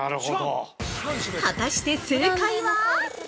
◆果たして正解は？